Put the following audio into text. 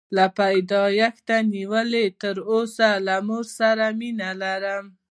له پیدایښته نیولې تر اوسه له مور سره مینه لرم.